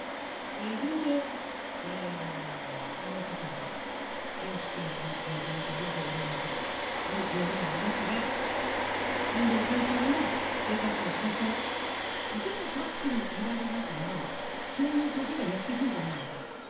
冒頭、川村社長と選手兼監督の契約、ありがとうございましたという冗談もありましたが、新庄剛志さんの性格からしますと、いても立ってもいられなくなる、そういうときがやって来ると思うんですよ。